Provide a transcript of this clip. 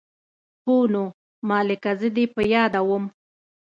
هو نو مالې که زه دې په ياده وم.